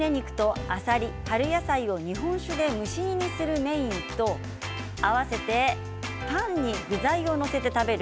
鶏むね肉とあさり春野菜を日本酒で蒸し煮にするメインと合わせてパンに具材を載せて食べる